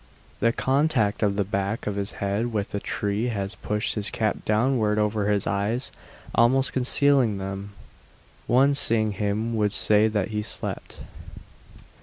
The contact of the back of his head with the tree has pushed his cap downward over his eyes, almost concealing them; one seeing him would say that he slept.